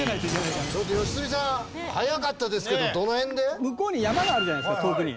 良純さん早かったですけどどの辺で？向こうに山があるじゃないですか遠くに。